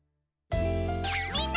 みんな！